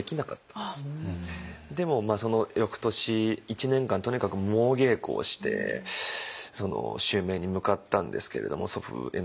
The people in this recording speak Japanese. でもその翌年１年間とにかく猛稽古をして襲名に向かったんですけれども祖父への感謝の思いも抱きつつ。